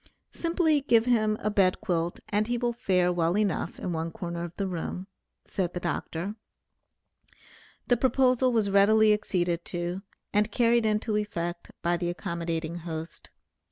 "Simply give him a bed quilt and he will fare well enough in one corner of the room," said the Dr. The proposal was readily acceded to, and carried into effect by the accommodating host.